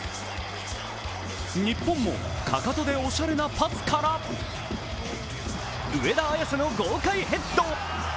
日本も、かかとでおしゃれなパスから、上田綺世の豪快ヘッド！